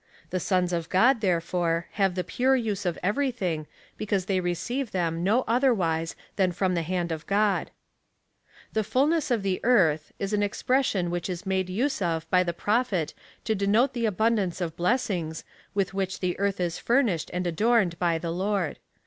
The sous of God, therefore, have the pure use of everything, because they receive them no otherwise than from the hand of God. Tllxefidness of the ea7'th,^ is an expression which is made use of by the Prophet to denote the abundance of blessings, with which the earth is furnished and adorned by the Lord.